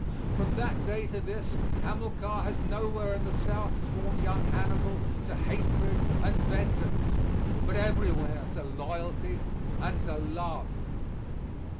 From that day to this Hamilcar has nowhere in the South sworn young Hannibal to hatred and vengeance, but everywhere to loyalty and to love.